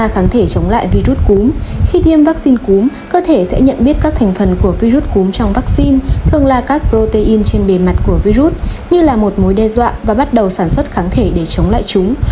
khi tiêm vaccine cúm cơ thể sẽ nhận biết các thành phần của virus cúm trong vaccine thường là các protein trên bề mặt của virus như là một mối đe dọa và bắt đầu sản xuất kháng thể để chống lại chúng